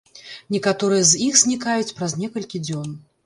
Некаторыя з іх знікаюць праз некалькі дзён.